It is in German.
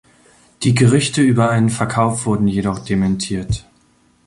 Die Gerüchte über einen Verkauf wurden jedoch dementiert.